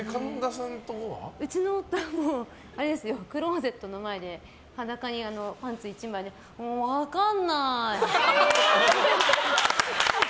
うちの夫はクローゼットの前で裸にパンツ１枚で分かんないって。